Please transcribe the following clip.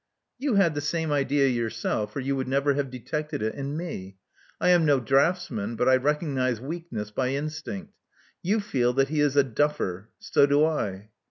You had the same idea yourself, or you would never have detected it in me. I am no draughtsman ; but I recognize weakness by instinct. You feel that he is a duffer. So do I."